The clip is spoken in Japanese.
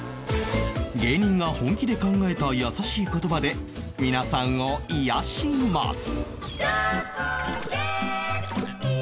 芸人が本気で考えた優しい言葉で皆さんを癒やします